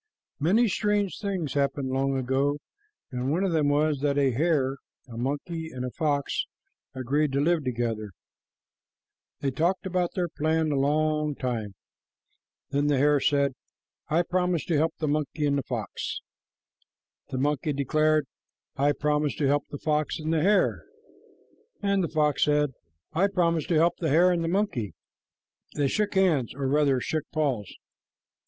Many strange things happened long ago, and one of them was that a hare, a monkey, and a fox agreed to live together. They talked about their plan a long time. Then the hare said, "I promise to help the monkey and the fox." The monkey declared, "I promise to help the fox and the hare." The fox said, "I promise to help the hare and the monkey." They shook hands, or rather shook paws.